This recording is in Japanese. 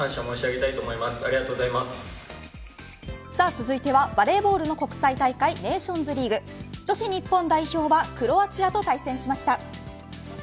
続いてはバレーボールの国際大会ネーションズリーグ女子日本代表はクロアチアと対戦しました。